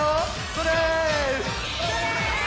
それ！